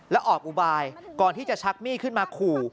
แล้วออกอุบายก่อนที่จะชักมีดขึ้นมาขู่